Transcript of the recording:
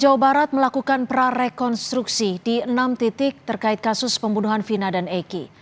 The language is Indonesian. jawa barat melakukan prarekonstruksi di enam titik terkait kasus pembunuhan vina dan eki